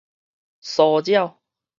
騷擾